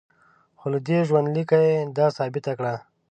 خو له دې ژوندلیکه یې دا ثابته کړه.